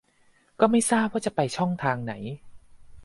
ก็ไม่ทราบว่าจะไปช่องทางไหน